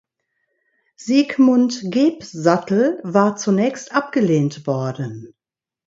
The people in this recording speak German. Sigmund Gebsattel war zunächst abgelehnt worden.